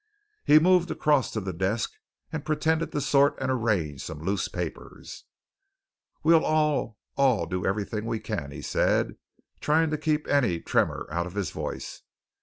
He moved across to the desk and pretended to sort and arrange some loose papers. "We'll all all do everything we can," he said, trying to keep any tremor out of his voice.